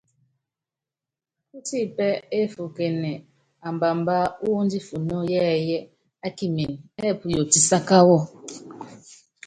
Pútiipɛ́ efuuken ambaambá wu ndífunɔ́ yɛɛyɛ́ a kimɛn ɛ́ɛ puyo tisáka.